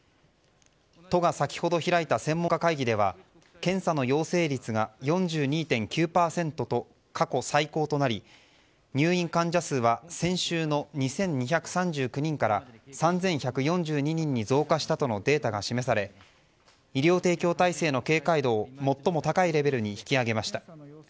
都が先ほど開いた専門家会議では検査の陽性率が４２．９％と過去最高となり入院患者数は先週の２２３９人から３１４２人に増加したとのデータが示され医療提供体制の警戒度を最も高いレベルに引き上げました。